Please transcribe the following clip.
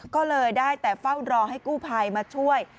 ก็เลยได้แต่เฝ้ารอให้กู้ภัยมาช่วย